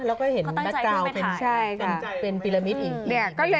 แล้วก็เห็นแม็กกาวน์เป็นปีละมิตอีก